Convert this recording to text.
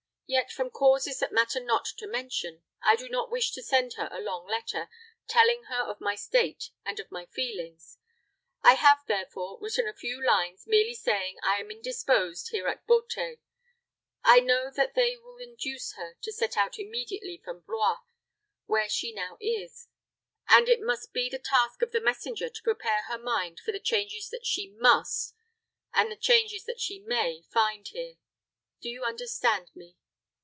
Yet from causes that matter not to mention, I do not wish to send her a long letter, telling her of my state and of my feelings. I have, therefore, written a few lines, merely saying I am indisposed here at Beauté. I know that they will induce her to set out immediately from Blois, where she now is, and it must be the task of the messenger to prepare her mind for the changes that she must, and the changes that she may find here. Do you understand me?"